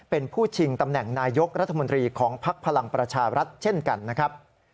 เป็นผู้ชิงตำแหน่งนายกรัฐมนตรีของภักดิ์พลังประชารัฐเช่นกันนะครับ